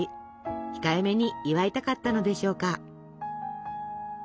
控えめに祝いたかったのでしょうか。